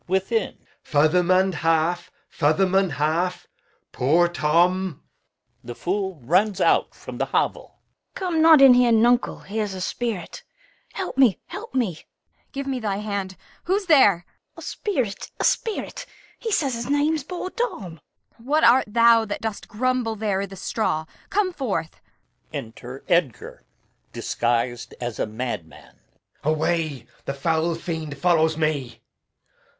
Edg. [within] Fathom and half, fathom and half! Poor Tom! Enter Fool [from the hovel]. Fool. Come not in here, nuncle, here's a spirit. Help me, help me! Kent. Give me thy hand. Who's there? Fool. A spirit, a spirit! He says his name's poor Tom. Kent. What art thou that dost grumble there i' th' straw? Come forth. Enter Edgar [disguised as a madman]. Edg. Away! the foul fiend follows me!